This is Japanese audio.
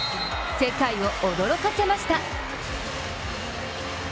世界を驚かせました。